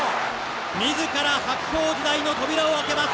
自ら白鵬時代の扉を開けます！